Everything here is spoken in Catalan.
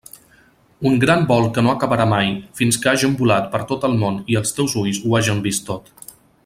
Un gran vol que no acabarà mai fins que hàgem volat per tot el món i els teus ulls ho hagen vist tot.